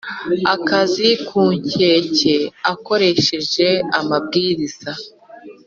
kazi ku nkeke akoresheje amabwiriza